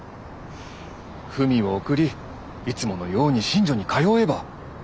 文を送りいつものように寝所に通えば。